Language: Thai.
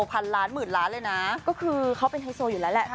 พันล้านหมื่นล้านเลยนะก็คือเขาเป็นไฮโซอยู่แล้วแหละ